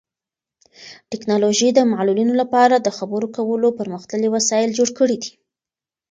ټیکنالوژي د معلولینو لپاره د خبرو کولو پرمختللي وسایل جوړ کړي دي.